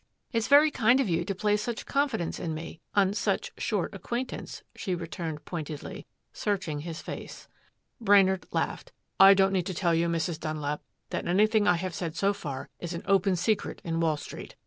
"It's very kind of you to place such confidence in me on such short acquaintance," she returned pointedly, searching his face. Brainard laughed. "I don't need to tell you, Mrs. Dunlap, that anything I have said so far is an open secret in Wall Street.